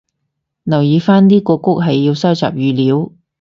留意返呢個谷係要收集語料